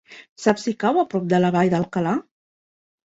Saps si cau a prop de la Vall d'Alcalà?